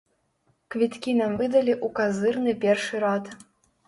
Квіткі нам выдалі ў казырны першы рад.